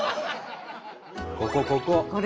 ここここ！